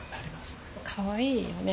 かわいいよね